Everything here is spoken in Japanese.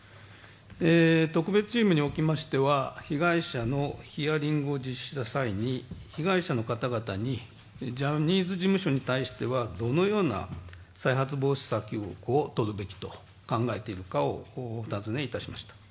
特別チームにおきましては、被害者のヒアリングを実施した際に被害者の方々にジャニーズ事務所に対してはどのような再発防止策をとるべきと考えているかをおたずねいたしました。